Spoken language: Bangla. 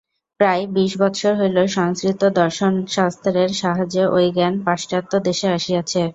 প্রায় বিশ বৎসর হইল সংস্কৃত দর্শনশাস্ত্রের সাহায্যে ঐ জ্ঞান পাশ্চাত্য দেশে আসিয়াছে।